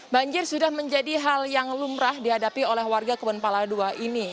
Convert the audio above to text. banjir sudah menjadi hal yang lumrah dihadapi oleh warga kebon pala ii ini